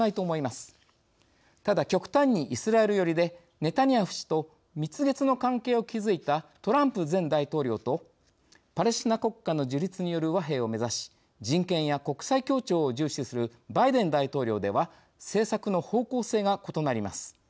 ただ極端にイスラエル寄りでネタニヤフ氏と蜜月の関係を築いたトランプ前大統領とパレスチナ国家の樹立による和平を目指し人権や国際協調を重視するバイデン大統領では政策の方向性が異なります。